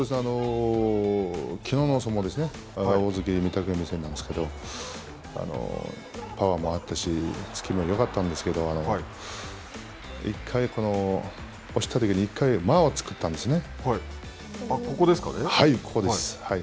きのうの相撲ですね大関・御嶽海戦なんですけどパワーもあったし突きもよかったんですけど押したときに１回、間を作ったんですね。